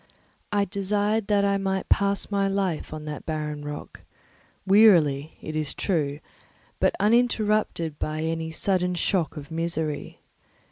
I desired that I might pass my life on that barren rock, wearily, it is true, but uninterrupted by any sudden shock of misery.